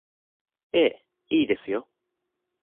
ええ、いいですよ。